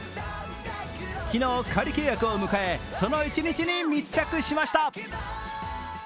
昨日、仮契約を迎え、その一日に密着しました。